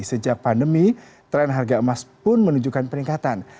sejak pandemi tren harga emas pun menunjukkan peningkatan